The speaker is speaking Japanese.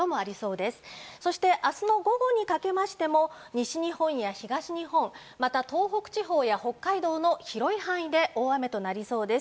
そして明日の午後にかけましても西日本や東日本また、東北地方や北海道の広い範囲で大雨となりそうです。